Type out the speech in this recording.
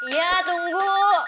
ya tunggu